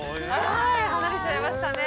はい離れちゃいましたね。